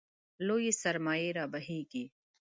لویې سرمایې رابهېږي.